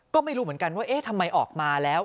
ก็ไม่รู้เหมือนกันว่าเอ๊ะทำไมออกมาแล้ว